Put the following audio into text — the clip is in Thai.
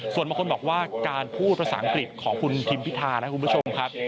ส่วนบางคนบอกว่าการพูดภาษาอังกฤษของคุณทิมพิธานะคุณผู้ชมครับ